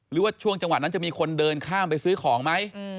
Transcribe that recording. หรือว่าช่วงจังหวะนั้นจะมีคนเดินข้ามไปซื้อของไหม